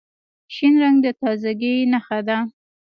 شین رنګ د تازګۍ نښه ده.